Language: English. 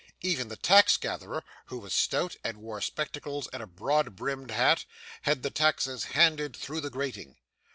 Even the tax gatherer, who was stout, and wore spectacles and a broad brimmed hat, had the taxes handed through the grating.